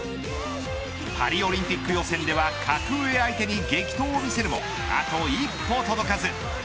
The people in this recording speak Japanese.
パリオリンピック予選では格上相手に激闘を見せるもあと一歩届かず。